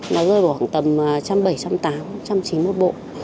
nó rơi vào khoảng tầm một trăm bảy mươi tám một trăm chín mươi một bộ